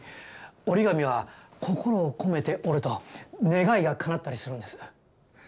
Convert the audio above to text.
折り紙は心を込めて折ると願いがかなったりするんです。